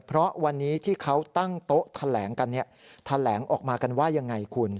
เพราะวันนี้ที่เขาตั้งโต๊ะแถลงกันแถลงออกมากันว่ายังไงคุณ